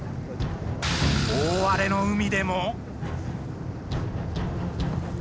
大荒れの海でも。